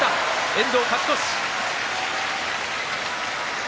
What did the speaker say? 遠藤、勝ち越し。